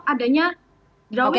adanya drama yang sudah kita ajukan